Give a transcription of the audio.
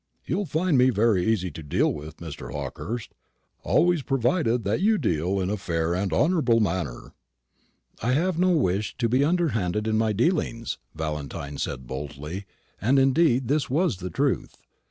You'll find me very easy to deal with, Mr. Hawkehurst, always provided that you deal in a fair and honourable manner." "I have no wish to be underhand in my dealings," Valentine said boldly. And indeed this was the truth.